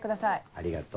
ありがとう。